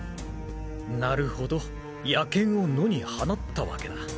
なるほど野犬を野に放ったわけだ。